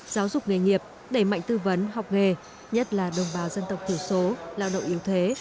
giáo dục nghề nghiệp đẩy mạnh tư vấn học nghề nhất là đồng bào dân tộc thiểu số lao động yếu thế